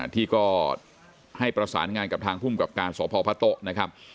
ที่ก็ให้ประสานงานกับทางภูมิกับการสพพะโต๊ะนะครับ